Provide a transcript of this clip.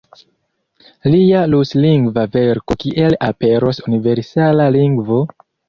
Lia ruslingva verko "Kiel aperos universala lingvo?